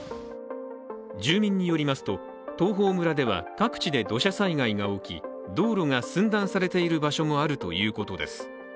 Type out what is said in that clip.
住民によりますと、東峰村では各地で土砂災害が起き、道路が寸断されている場所もあるということです。